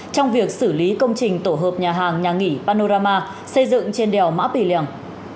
trong việc xử lý công trình tổ hợp nhà hàng nhà nghỉ panorama xây dựng trên đèo mã pì lèng